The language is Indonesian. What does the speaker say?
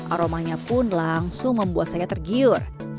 aromanya pun langsung membuat saya tergiur